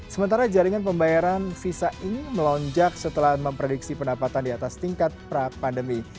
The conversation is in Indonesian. sementara jaringan pembayaran visa in melonjak setelah memprediksi pendapatan di atas tingkat pra pandemi